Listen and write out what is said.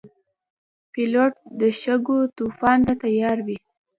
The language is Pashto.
پیلوټ د شګو طوفان ته تیار وي.